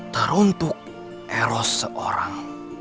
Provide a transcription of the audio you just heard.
teruntuk eros seorang